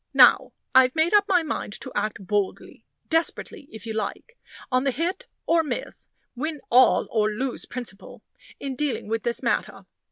Now, I've made up my mind to act boldly desperately, if you like on the hit or miss, win all or lose all principle in dealing with this matter.